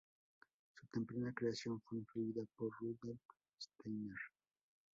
Su temprana creación fue influida por Rudolph Steiner.